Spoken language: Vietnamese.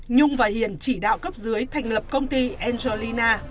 nhung và hiền chỉ đạo cấp dưới thành lập công ty angelina